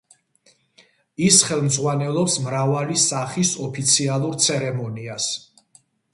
ის ხელმძღვანელობს მრავალი სახის ოფიციალურ ცერემონიას.